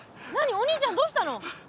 お兄ちゃんどうしたの？